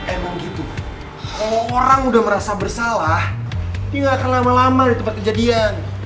emang gitu kalau orang udah merasa bersalah tinggalkan lama lama di tempat kejadian